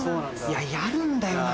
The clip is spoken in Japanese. いややるんだよな